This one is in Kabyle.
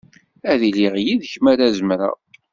Ad iliɣ yid-k mi ara zemreɣ.